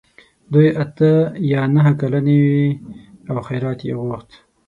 دوی اته یا نهه کلنې وې او خیرات یې غوښت.